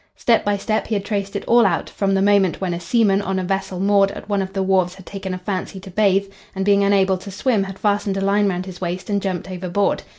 Step by step he had traced it all out, from the moment when a seaman on a vessel moored at one of the wharves had taken a fancy to bathe, and being unable to swim had fastened a line round his waist and jumped overboard.